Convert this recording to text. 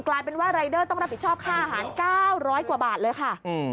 กลายเป็นว่ารายเดอร์ต้องรับผิดชอบค่าอาหาร๙๐๐กว่าบาทเลยค่ะ